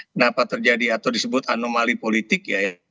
kenapa terjadi atau disebut anomali politik